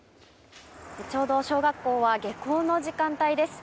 ちょうど小学校は下校の時間帯です。